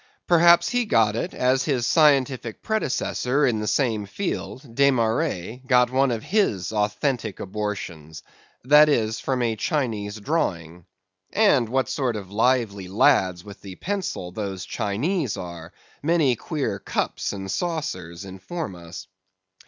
Perhaps he got it as his scientific predecessor in the same field, Desmarest, got one of his authentic abortions; that is, from a Chinese drawing. And what sort of lively lads with the pencil those Chinese are, many queer cups and saucers inform us.